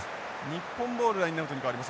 日本ボールラインアウトに変わります。